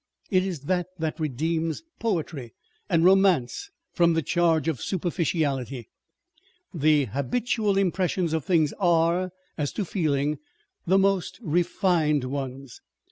It is that that redeems poetry and romance from the charge of superficiality. The habitual impressions of things are, as to feeling, the most refined ones.